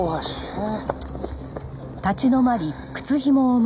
ああ。